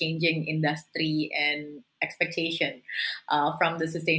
dan keharusan dari pergerakan kesehatan